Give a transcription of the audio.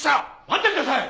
待ってください！